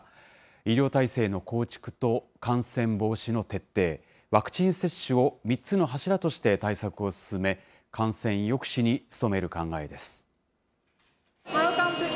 医療体制の構築と感染防止の徹底、ワクチン接種を３つの柱として対策を進め、感染抑止に努める考えです。